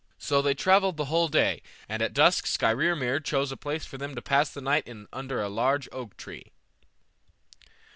So they travelled the whole day, and at dusk Skrymir chose a place for them to pass the night in under a large oak tree.